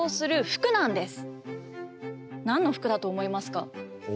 何の服だと思いますか？